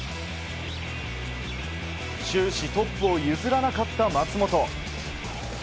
終始トップを譲らなかった松元。